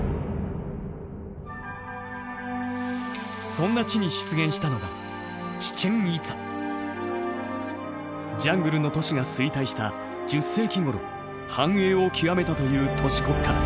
そんな地に出現したのがジャングルの都市が衰退した１０世紀頃繁栄を極めたという都市国家だ。